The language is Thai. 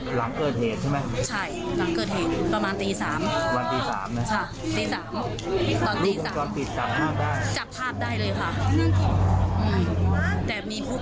เขาบอกว่าใช่เลยค่ะ